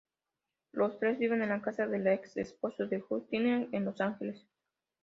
Los tres viven en la casa del ex-esposo de Justine en Los Ángeles.